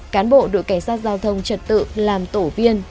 cán bộ đội cảnh sát giao thông trật tự làm tổ viên